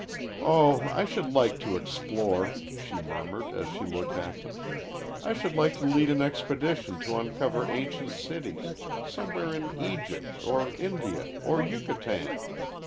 "Oh, I should like to explore," she murmured, as she looked at them. "I should like to lead an expedition to uncover ancient cities, somewhere in Egypt, or India, or Yucatan.